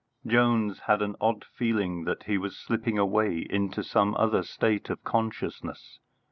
Jones had an odd feeling that he was slipping away into some other state of consciousness.